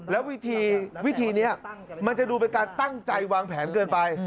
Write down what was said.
แล้ววิธีวิธีนี้มันจะดูเป็นการตั้งใจวางแผนเกินไป